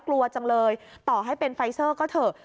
กลัวจังเลยต่อให้เป็นไฟเซอร์ก็เถอะ